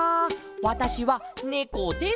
わたしはねこです」。